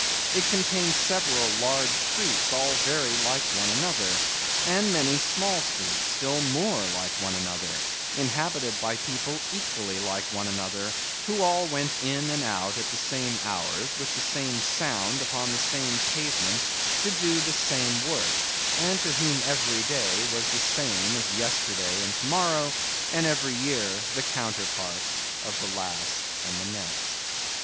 It contained several large streets all very like one another, and many small streets still more like one another, inhabited by people equally like one another, who all went in and out at the same hours, with the same sound upon the same pavements, to do the same work, and to whom every day was the same as yesterday and to morrow, and every year the counterpart of the last and the next.